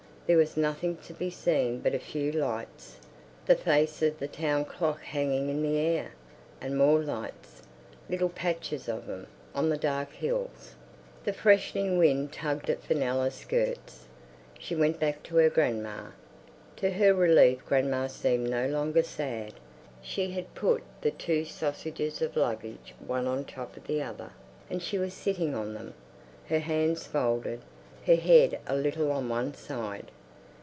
There was nothing to be seen but a few lights, the face of the town clock hanging in the air, and more lights, little patches of them, on the dark hills. The freshening wind tugged at Fenella's skirts; she went back to her grandma. To her relief grandma seemed no longer sad. She had put the two sausages of luggage one on top of the other, and she was sitting on them, her hands folded, her head a little on one side.